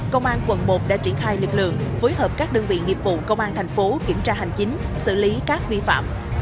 công an quận một đã triển khai lực lượng phối hợp các đơn vị nghiệp vụ công an thành phố kiểm tra hành chính xử lý các vi phạm